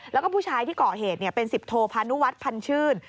แล้วก็ผู้ชายที่ก่อเหตุเป็น๑๐โทพานุวัฒน์พันชื่น